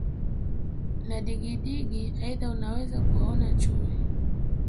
na digidigi Aidha unaweza kuwaona chui